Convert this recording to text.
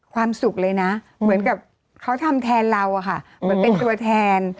สุขเลยนะเหมือนกับเขาทำแทนเราอะค่ะเหมือนเป็นตัวแทน